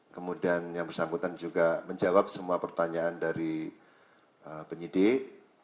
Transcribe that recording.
kemudian yang bersangkutan juga menjawab semua pertanyaan dari penyidik